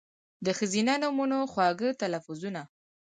د ښځېنه نومونو، خواږه لفظونه